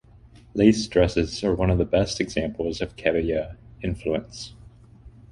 Lace dresses are one of the best examples of Kebaya influence.